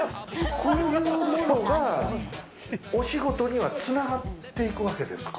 こういうものがお仕事には繋がっていくわけですか？